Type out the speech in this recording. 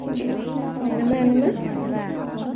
— Nima-nima?